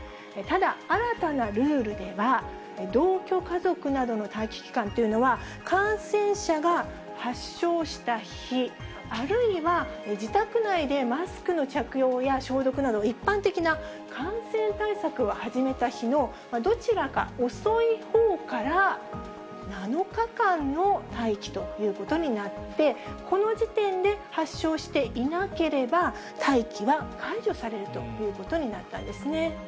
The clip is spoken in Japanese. ただ、新たなルールでは、同居家族などの待機期間というのは、感染者が発症した日、あるいは自宅内でマスクの着用や消毒など、一般的な感染対策を始めた日のどちらか遅いほうから７日間の待機ということになって、この時点で発症していなければ、待機は解除されるということになったんですね。